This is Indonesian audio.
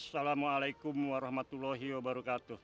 assalamualaikum warahmatullahi wabarakatuh